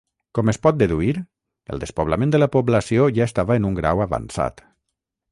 Com es pot deduir, el despoblament de la població ja estava en un grau avançat.